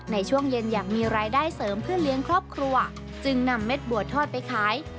ในช่วงเย็นอยากมีรายได้เสริมเพื่อเลี้ยงครอบครัวจึงนำเม็ดบัวทอดไปขาย